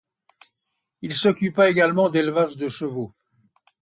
Il s'occupa également d'élevage de chevaux.